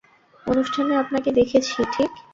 অনুষ্ঠানে আপনাকে দেখেছি, ঠিক?